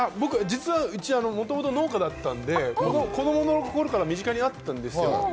うち、もともと農家だったんで、子供のころから身近にあったんですよ。